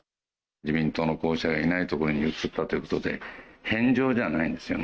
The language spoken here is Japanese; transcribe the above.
自民党の候補者のいないところへ移ったということで、返上じゃないんですよね。